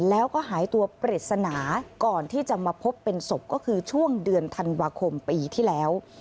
แล้วก็หายตัวปริศนาก่อนที่จะมาพบเป็นศพก็คือช่วงเดือนธันวาคมปีที่แล้ว